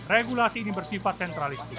regulasi ini bersifat sentralistik